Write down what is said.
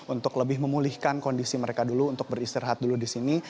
untuk lebih memulihkan kondisi mereka dulu untuk beristirahat dulu di sini